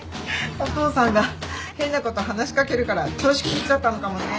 お父さんが変なこと話し掛けるから調子狂っちゃったのかもね。